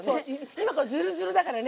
今これズルズルだからね。